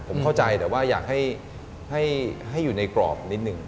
ผมเข้าใจแต่ว่าอยากให้อยู่ในกรอบนิดนึง